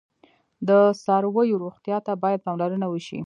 د څارویو روغتیا ته باید پاملرنه وشي.